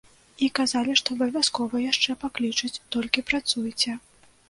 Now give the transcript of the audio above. І казалі, што абавязкова яшчэ паклічуць, толькі працуйце.